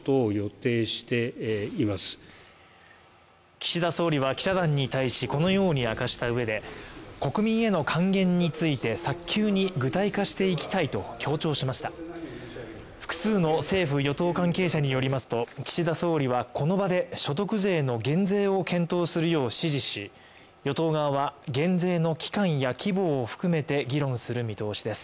岸田総理は記者団に対してこのように明かした上で国民への還元について早急に具体化していきたいと強調しました複数の政府与党関係者によりますと岸田総理はこの場で所得税の減税を検討するよう指示し与党側は減税の期間や規模を含めて議論する見通しです